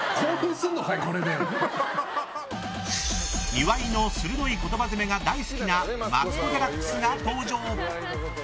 岩井の鋭い言葉攻めが大好きなマツコ・デラックスが登場。